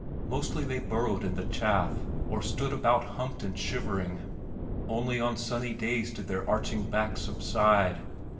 Mostly they burrowed in the chaff, or stood about humped and shivering only on sunny days did their arching backs subside.